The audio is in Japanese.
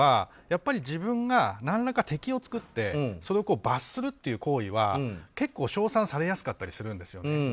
自分が何らか敵を作ってそれを罰するという行為は結構、賞賛されやすかったりするんですね。